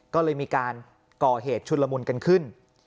ก็เลยมีการก่อเหตุชุนละมุนกันขึ้น